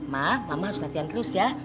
mak mama harus latihan terus ya